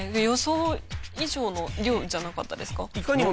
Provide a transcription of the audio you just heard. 予想以上の量じゃなかったですか。